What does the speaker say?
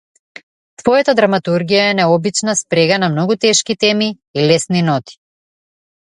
Твојата драматургија е необична спрега на многу тешки теми и лесни ноти.